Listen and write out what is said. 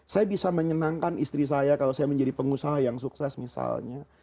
saya bisa menyenangkan istri saya kalau saya menjadi pengusaha yang sukses misalnya